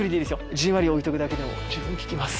じんわり置いとくだけでも十分効きます。